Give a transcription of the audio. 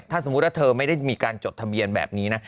ถ้าสมมุติว่าเธอไม่ได้มีการจดทะเบียนแบบนี้นะ